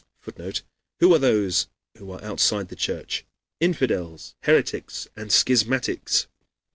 [Footnote: "Who are those who are outside the Church? Infidels, heretics, and schismatics."